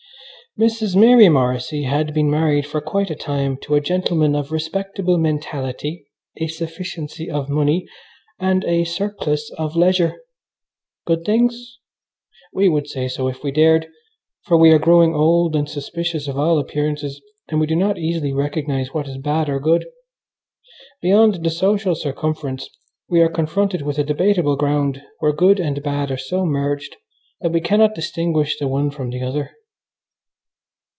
Mrs. Mary Morrissy had been married for quite a time to a gentleman of respectable mentality, a sufficiency of money, and a surplus of leisure Good things? We would say so if we dared, for we are growing old and suspicious of all appearances, and we do not easily recognize what is bad or good. Beyond the social circumference we are confronted with a debatable ground where good and bad are so merged that we cannot distinguish the one from the other.